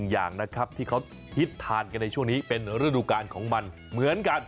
๑อย่างที่เค้าฮิตทานในช่วงนี้เป็นระดูกการของมันเหมือนกัน